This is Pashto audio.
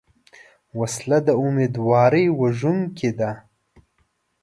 وسله د امیدواري وژونکې ده